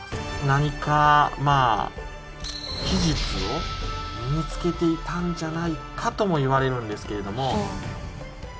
何かまあ秘術を身に付けていたんじゃないかともいわれるんですけれども。